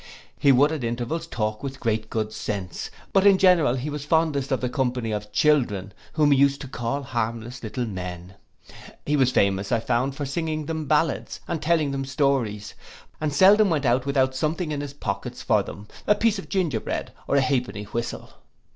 He would at intervals talk with great good sense; but in general he was fondest of the company of children, whom he used to call harmless little men. He was famous, I found, for singing them ballads, and telling them stories; and seldom went out without something in his pockets for them, a piece of gingerbread, or an halfpenny whistle.